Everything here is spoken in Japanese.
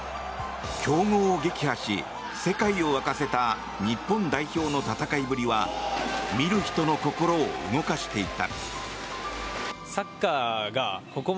強豪を撃破し、世界を沸かせた日本代表の戦いぶりは見る人の心を動かしていた。